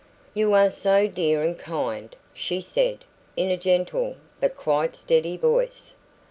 "You are so dear and kind," she said, in a gentle, but quite steady voice.